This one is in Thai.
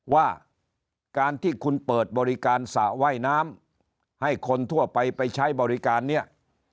ว่าการที่คุณเปิดบริการสระว่ายน้ำให้คนทั่วไปไปใช้บริการเนี่ย